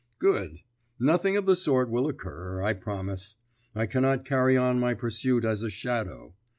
"Good. Nothing of the sort will occur, I promise. I cannot carry on my pursuit as a Shadow.